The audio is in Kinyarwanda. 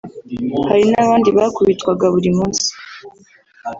hari n’abandi bakubitwaga buri munsi